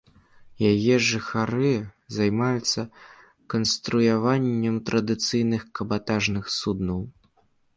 Яе жыхары займаюцца канструяваннем традыцыйных кабатажных суднаў.